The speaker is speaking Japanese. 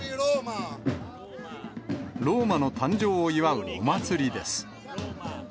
ローマの誕生を祝うお祭りです。